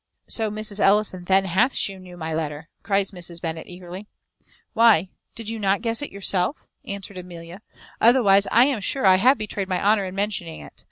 "So Mrs. Ellison then hath shewn you my letter?" cries Mrs. Bennet eagerly. "Why, did not you guess it yourself?" answered Amelia; "otherwise I am sure I have betrayed my honour in mentioning it.